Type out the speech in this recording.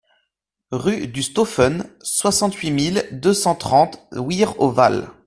Rue du Stauffen, soixante-huit mille deux cent trente Wihr-au-Val